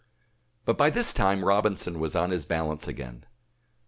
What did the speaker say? But by this time Robinson was on his balance again.